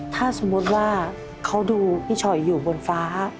ถ้าสมมุติว่าเขาดูพี่ฉอยอยู่บนฟ้า